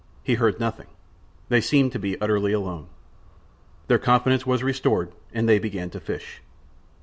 He heard nothing. They seemed to be utterly alone. Their confidence was restored, and they began to fish.